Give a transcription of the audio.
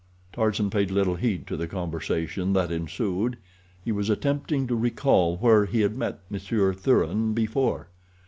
Tarzan paid little heed to the conversation that ensued—he was attempting to recall where he had met Monsieur Thuran before.